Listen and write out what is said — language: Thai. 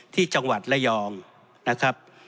ที่จังหวัดระยองนะครับ